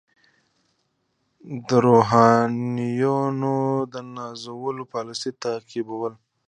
د روحانیونو د نازولو پالیسي تعقیبول.